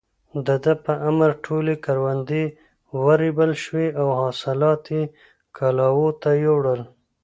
د ده په امر ټولې کروندې ورېبل شوې او حاصلات يې کلاوو ته يووړل.